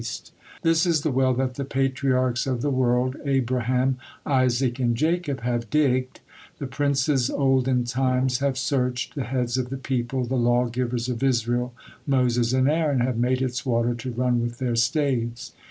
The song to the well was as follows: "This is the well that the Patriarchs of the world, Abraham, Isaac, and Jacob, have digged, the princes olden times have searched, the heads of the people, the lawgivers of Israel, Moses and Aaron, have made its water to run with their staves.